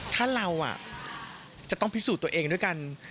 ถ้าเราจะต้องพิสูจน์ตัวเองด้วยกัน